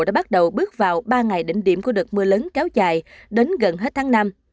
đã bắt đầu bước vào ba ngày đỉnh điểm của đợt mưa lớn kéo dài đến gần hết tháng năm